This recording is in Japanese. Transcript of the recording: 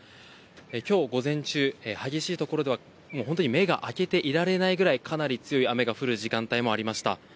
きょう午前中、激しいところでは、もう本当に目が開けていられないぐらい、かなり強い雨が降る時間帯もありました。